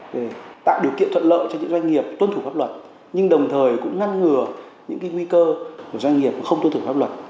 đảm bảo điều kiện thuận lợi cho những doanh nghiệp tuân thủ pháp luật nhưng đồng thời cũng ngăn ngừa những cái nguy cơ của doanh nghiệp không tuân thủ pháp luật